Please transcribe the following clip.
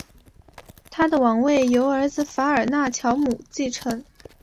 他的王位由儿子法尔纳乔姆继承。